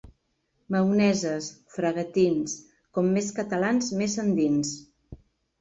Maoneses, fragatins, com més catalans més endins.